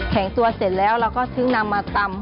งตัวเสร็จแล้วเราก็ถึงนำมาตำ